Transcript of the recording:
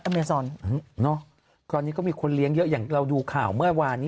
เมซอนตอนนี้ก็มีคนเลี้ยงเยอะอย่างเราดูข่าวเมื่อวานนี้